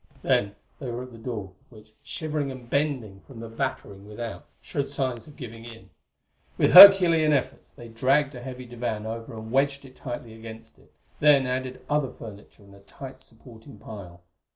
Then they were at the door, which, shivering and bending from the battering without, showed signs of giving in. With herculean efforts they dragged a heavy divan over and wedged it tightly against it; then added other furniture in a tight supporting pile.